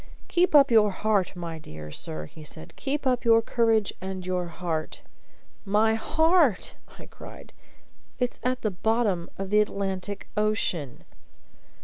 "Keep up your heart, my dear sir," said he. "Keep up your courage and your heart." "My heart!" I cried. "It's at the bottom of the Atlantic Ocean."